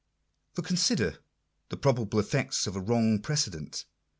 For consider the probable effects of a wrong precedent.